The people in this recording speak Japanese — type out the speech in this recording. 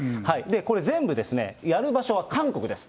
これ、全部、やる場所は韓国です。